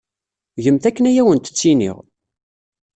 Gemt akken ay awent-ttiniɣ.